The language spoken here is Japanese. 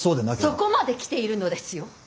そこまで来ているのですよ。